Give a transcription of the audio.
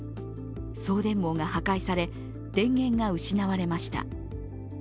送電網が破壊され、電源が失われました。